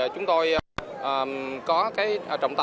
chúng tôi có trọng tài